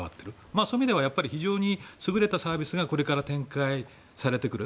そういう意味では非常に優れたサービスがこれから展開されてくる。